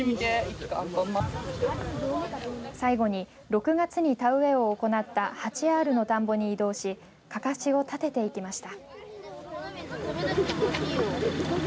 最後に６月に田植えを行った８アールの田んぼに移動しかかしを立てていきました。